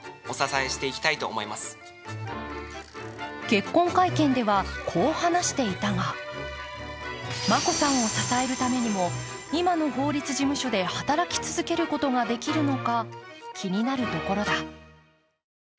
結婚会見ではこう話していたが眞子さんを支えるためにも今の法律事務所で働き続けることができるのか気になるところだ。